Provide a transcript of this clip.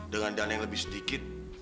dengan dana yang lebih sedikit